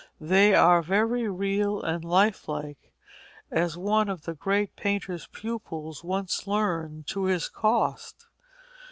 They are very real and lifelike, as one of the great painter's pupils once learned to his cost.